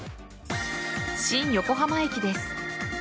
新横浜駅です。